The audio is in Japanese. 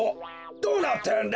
どうなってるんだ？